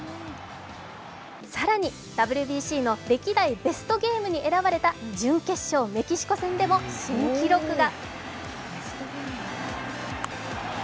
更に、ＷＢＣの歴代ベストゲームに選ばれた準決勝・メキシコ戦でも新記録が。